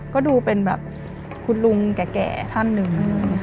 ก็ดูเป็นแบบคุณลุงแก่ท่านหนึ่ง